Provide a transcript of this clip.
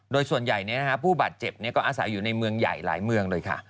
โดยส่วนใหญ่ผู้บาดเจ็บก็อาศัยอยู่ในเมืองใหญ่หลายเมืองเลยค่ะ